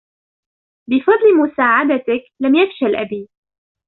بفضل مساعدتك ، لم يفشل أبي.